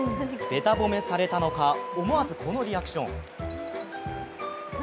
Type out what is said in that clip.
べた褒めされたのか、思わずこのリアクション。